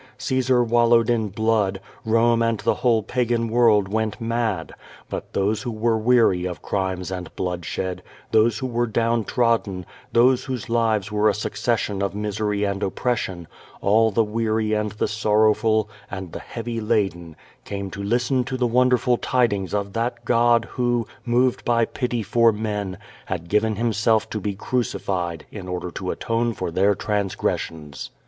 Caesar wallowed in blood; Home t^nd the whole Pagan world went mad. But those who were weAry of crimes and bloodshed, those who were downtrodden, thuse whose lives were a succession of misery and oppression, all flic weary and the sorrowful, and the heavy laden, came to list) to the wonderful tidings of that God, who, moved by pity for men, had given Himself to be crucified in order to atone for their transgressions.